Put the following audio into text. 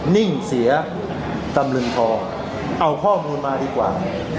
นิ่งเสียตำลึงทองเอาข้อมูลมาดีกว่า